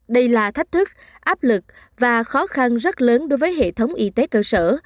đây là thách thức áp lực và khó khăn rất lớn đối với hệ thống y tế cơ sở